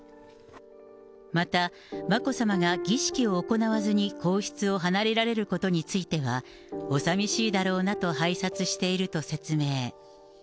また眞子さまが儀式を行わずに皇室を離れられることについては、おさみしいだろうなと拝察していると説明。